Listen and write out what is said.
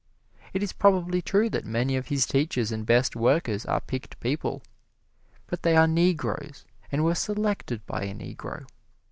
It is probably true that many of his teachers and best workers are picked people but they are Negroes, and were selected by a Negro.